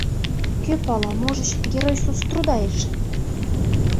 Кӧ пала, можыч, Герой Соцтруда эше!